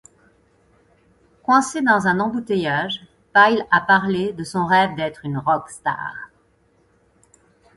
Coincée dans un embouteillage, Pyle a parlé de son rêve d'être une rock star.